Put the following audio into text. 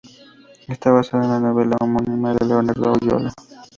Está basada en la novela homónima de Leonardo Oyola.